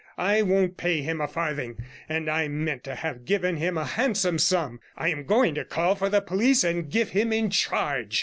I won't pay him a farthing, and I meant to have given him a handsome sum. I am going to call for the police and give him in charge.'